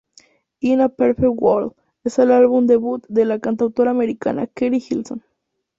In a Perfect World... es el álbum debut de la cantautora americana Keri Hilson.